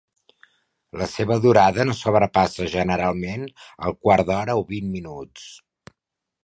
La seva durada no sobrepassa generalment el quart d'hora o vint minuts.